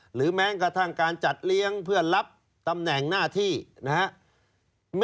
หรือแม้กระทั่งการจัดเลี้ยงเพื่อรับตำแหน่งหน้าที่นะครับ